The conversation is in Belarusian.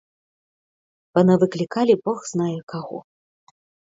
Панавыклікалі бог знае каго.